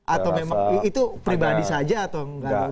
atau memang itu pribadi saja atau enggak